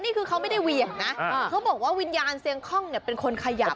นี่คือเขาไม่ได้เวียงนะเขาบอกว่าวิญญาณเสียงคล่องเนี่ยเป็นคนขยัน